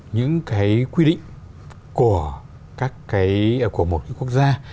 những quy định của một quốc gia